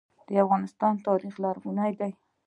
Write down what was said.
د افغانستان تاریخ لرغونی دی